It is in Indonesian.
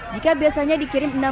jika biasanya dikirim penambah